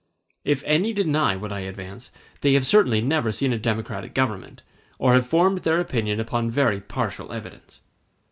If any deny what I advance, they have certainly never seen a democratic government, or have formed their opinion upon very partial evidence.